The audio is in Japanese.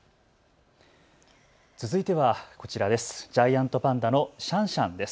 続いてはこちらです。